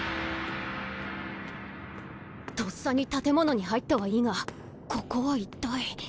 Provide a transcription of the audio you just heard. とっさに建物に入ったはいいがここは一体？